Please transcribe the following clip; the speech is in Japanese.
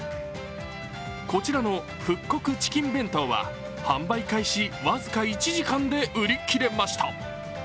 こちらの復刻チキン弁当は販売開始僅か１時間で売り切れました。